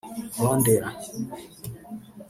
Rwandair